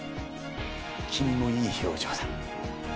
君もいい表情だ。